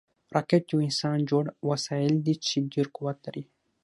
راکټ یو انسانجوړ وسایل دي چې ډېر قوت لري